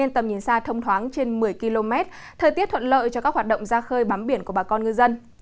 tầm nhìn xa thông thoáng trên một mươi km thời tiết thuận lợi cho các hoạt động ra khơi bám biển của bà con ngư dân